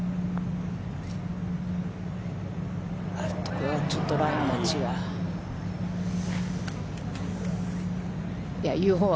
これはちょっとラインが違う。